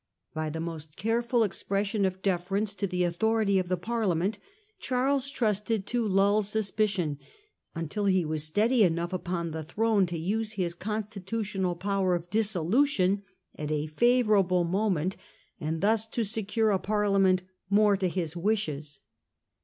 By the most careful expression of deference to the authority of the Parliament Charles trusted to lull suspicion until he was steady enough upon the throne to use his constitutional power of dissolution at a favourable moment, and thus to secure a parliament more to his wishes.